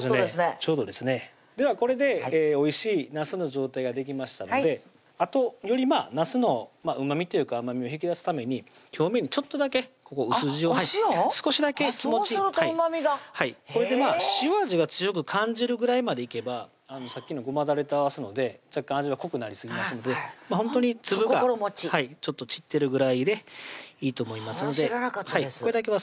ちょうどですねではこれでおいしいなすの状態ができましたのであとよりなすのうまみというか甘みを引き出すために表面にちょっとだけここ薄塩を少しだけ気持ちそうするとうまみがはいこれで塩味が強く感じるぐらいまでいけばさっきのごまだれと合わすので若干味が濃くなりすぎますのでほんとに粒がちょっと散ってるぐらいでいいと思いますので知らなかったです